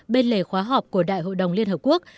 bên lề khóa họp của đại hội đồng liên hợp quốc